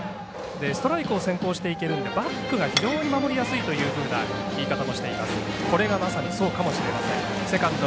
ストライクを先行していけるんでバックが非常に守りやすいというような言い方もしています。